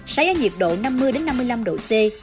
sánh ở nhiệt độ năm mươi năm mươi năm độ c